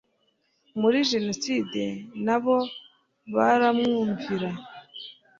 muri jenoside na bo baramwumvira